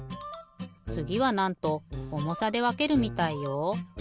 つぎはなんと重さでわけるみたいよ。